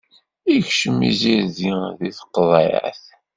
Ikcem izirdi di tqeḍɛit.